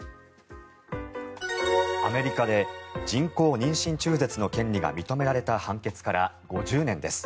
アメリカで人工妊娠中絶の権利が認められた判決から５０年です。